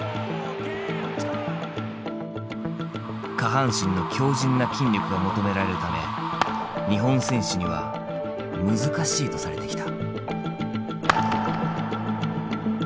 下半身の強じんな筋力が求められるため日本選手には難しいとされてきた。